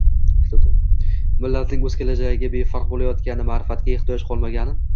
millatning o‘z kelajagiga befarq bo‘layotgani, ma’rifatga ehtiyoj «qolmagani»